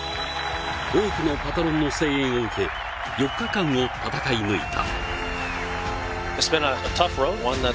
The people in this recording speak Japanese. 多くのパトロンの声援を受け、４日間を戦い抜いた。